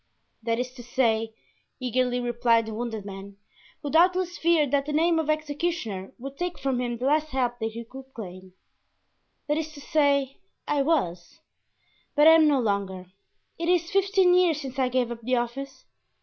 "That is to say," eagerly replied the wounded man, who doubtless feared that the name of executioner would take from him the last help that he could claim—"that is to say, I was, but am no longer; it is fifteen years since I gave up the office.